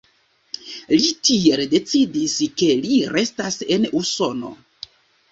Li tiel decidis, ke li restas en Usono.